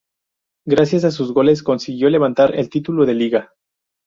Gracias a sus goles consiguió levantar el título de liga.